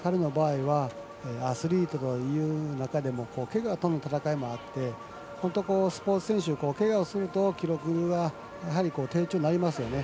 ですから、彼の場合はアスリートという中でもけがとの戦いもあってスポーツ選手けがをすると記録は低調になりますよね。